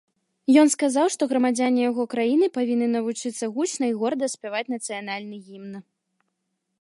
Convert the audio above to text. Ён сказаў, што грамадзяне яго краіны павінны навучыцца гучна і горда спяваць нацыянальны гімн.